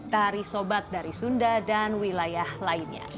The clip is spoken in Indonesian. tari sobat dari sunda dan wilayah lainnya